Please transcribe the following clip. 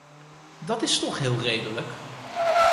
Dat is toch heel redelijk!